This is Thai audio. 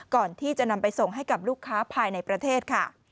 ก่อนที่จะนำไปส่งให้กับลูกค้าภายในประเทศค่ะ